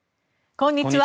こんにちは。